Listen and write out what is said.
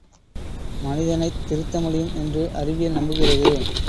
மனிதனைத் திருத்தமுடியும் என்று அறிவியல் நம்புகிறது.